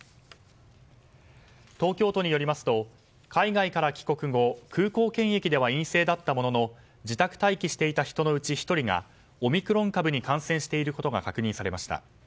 東京都によりますと海外から帰国後空港検疫では陰性だったものの自宅待機していた人のうち１人がオミクロン株に感染していることが確認されました。